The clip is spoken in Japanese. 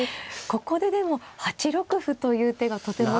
ここででも８六歩という手がとても。